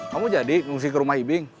kamu jadi ngungsi ke rumah ibing